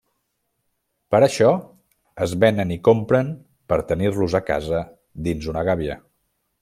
Per això es venen i compren per tenir-los a casa dins una gàbia.